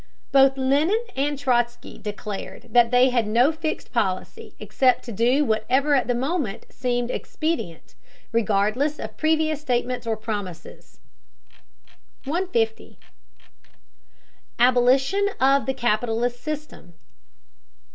Both Lenin and Trotzky declared that they had no fixed policy except to do whatever at the moment seemed expedient, regardless of previous statements or promises. 150. ABOLITION OF THE CAPITALIST SYSTEM.